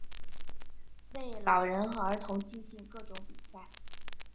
为老人和儿童进行各种比赛。